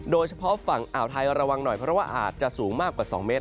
โดยเฉพาะฝั่งอ่าวไทยระวังหน่อยเพราะว่าอาจจะสูงมากกว่า๒เมตร